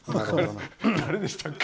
誰でしたっけ。